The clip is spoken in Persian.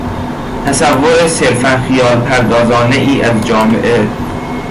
تصور صرفا خیال پردازانهای از جامعه